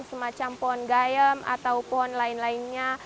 semacam pohon gayam atau pohon lain lainnya